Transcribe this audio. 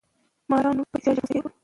مارانو پکې ژر ژر پوستکي اچول.